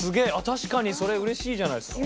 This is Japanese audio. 確かにそれ嬉しいじゃないですか。